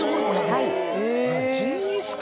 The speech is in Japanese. はい